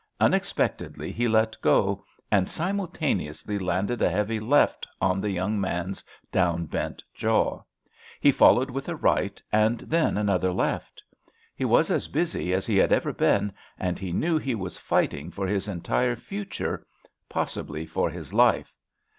Unexpectedly he let go, and simultaneously landed a heavy left on the young man's downbent jaw. He followed with a right, and then another left. He was as busy as he had ever been, and he knew he was fighting for his entire future, possibly for his life.